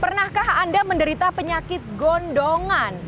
pernahkah anda menderita penyakit gondongan